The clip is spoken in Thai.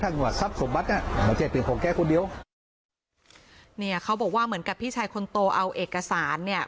เนี่ยเขาบอกว่าเหมือนกับพี่ชายคนโตเอาเอกสารเนี่ย